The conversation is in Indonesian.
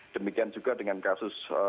demikian juga dengan kasus